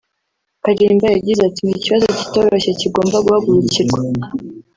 Kalimba yagize ati “ Ni ikibazo kitoroshye kigomba guhagurukirwa